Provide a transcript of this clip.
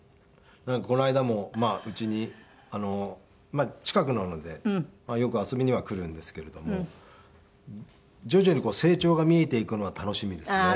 この間も家に近くなのでよく遊びには来るんですけれども徐々に成長が見えていくのは楽しみですね。